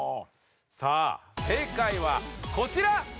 さあ正解はこちら！